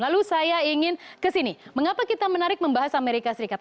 lalu saya ingin kesini mengapa kita menarik membahas amerika serikat